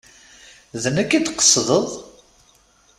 D nekk i d-tqesdeḍ?